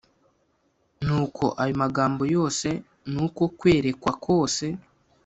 Nuko ayo magambo yose n’uko kwerekwa kose